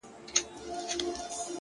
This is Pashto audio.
زوکام يم;